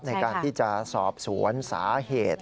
ในการที่จะสอบสวนสาเหตุ